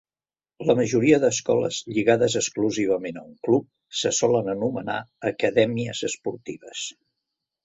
La majoria d'escoles lligades exclusivament a un club se solen anomenar acadèmies esportives.